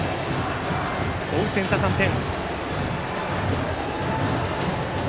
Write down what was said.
追う点差３点。